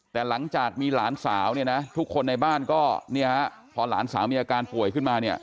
แต่หลังจากมีหลานสาวทุกคนในบ้านก็พอหลานสาวมีอาการผ่วยขึ้นมา